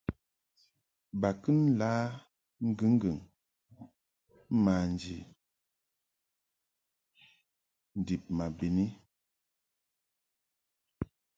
Ba kɨ la ŋgɨŋgɨŋ manji ndib ma bɨni.